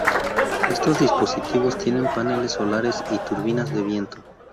Estos dispositivos tienen paneles solares y turbinas de viento.